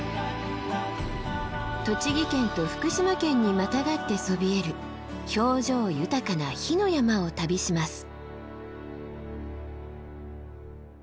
栃木県と福島県にまたがってそびえる表情豊かな火の山を旅します。